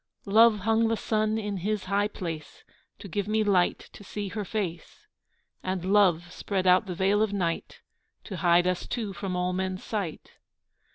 Love hung the sun in his high place To give me light to see her face, And love spread out the veil of night To hide us two from all men's sight.